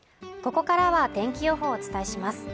ここからは天気予報をお伝えします